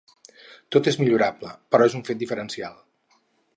Tot és millorable, però és un fet diferencial.